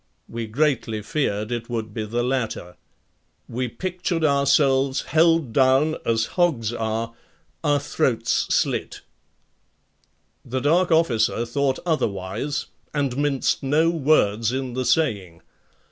We greatly feared it would be the latter. We pictured ourselves held down as hogs are our throats slit ! The dark officer thought otherwise and minced no words in the saying.